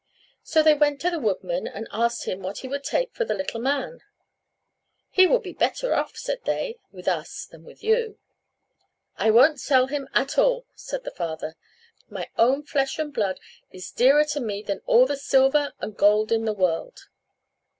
So they went to the woodman and asked him what he would take for the little man: "He will be better off," said they, "with us than with you." "I won't sell him at all," said the father, "my own flesh and blood is dearer to me than all the silver and gold in the world."